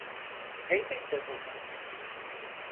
Elbette, baba.